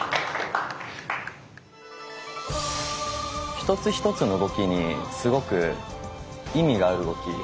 一つ一つの動きにすごく意味がある動き。